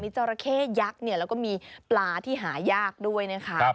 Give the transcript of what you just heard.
มีเจ้าราเข้ยักษ์เนี่ยแล้วก็มีปลาที่หายากด้วยนะค่ะ